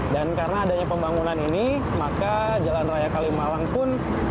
dan karena adanya pembangunan ini maka jalan raya kalimalang pun